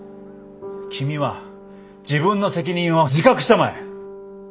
君は自分の責任を自覚したまえ！